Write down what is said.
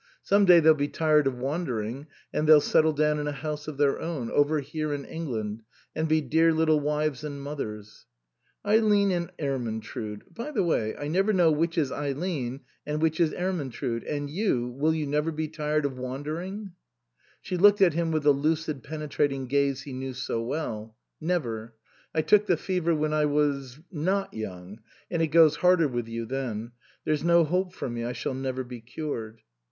Some day they'll be tired of wandering, and they'll settle down in a house of their own, over here in England, and be dear little wives and mothers." " Eileen and Ermyntrude by the way, I never know which is Eileen and which is Er myntrude. And you, will you never be tired of wandering ?" She looked at him with the lucid, penetrating gaze he knew so well. " Never. I took the fever when I was not young, and it goes harder with you then. There's no hope for me ; I shall never be cured."